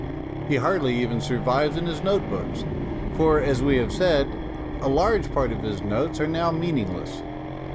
He hardly even survives in his note books, for, as we have said, a large part of his notes are now meaningless.